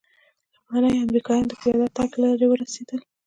لومړني امریکایان د پیاده تګ له لارې ورسېدل.